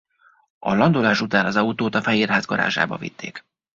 A landolás után az autót a Fehér Ház garázsába vitték.